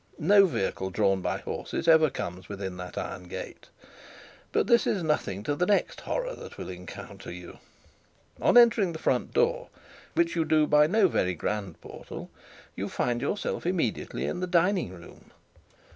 No vehicle drawn by horses ever comes within that iron gate. But this is nothing to the next horror that will encounter you. On entering the front door, which you do by no very grand portal, you find yourself immediately in the dining room.